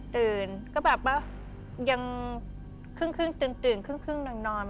ตื่นก็แบบว่ายังเครื่องเตือนคึงนอน